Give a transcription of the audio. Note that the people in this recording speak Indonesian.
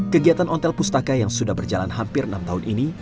kegiatan ontel pustaka yang sudah berjalan hampir enam tahun ini